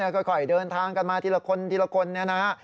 ค่อยเดินทางกันมาทีละคนทีละคนเนี่ยนะฮะ